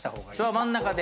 真ん中で。